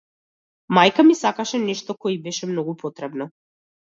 Мајка ми сакаше нешто кое ѝ беше многу потребно.